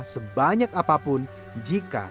sebanyak apapun jika